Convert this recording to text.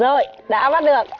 rồi đã bắt được